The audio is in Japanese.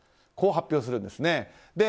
こう発表するんですね。